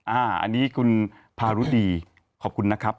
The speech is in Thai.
อันนี้คุณพารุดีขอบคุณนะครับ